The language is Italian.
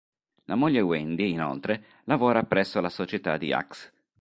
La moglie Wendy, inoltre, lavora presso la società di Axe.